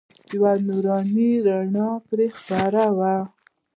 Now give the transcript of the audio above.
یوه نوراني رڼا پرې خپره وه.